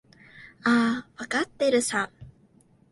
ああ、わかってるさ。